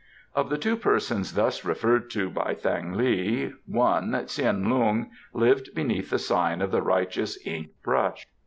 * Of the two persons thus referred to by Thang li, one, Tsin Lung, lived beneath the sign of the Righteous Ink Brush.